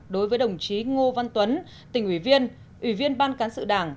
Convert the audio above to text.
đối với đồng chí ngô văn tuấn tỉnh ủy viên ủy viên ban cán sự đảng